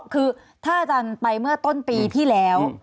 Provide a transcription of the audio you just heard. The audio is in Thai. คือถ้าอาจารย์ไปเมื่อต้นปีที่แล้ว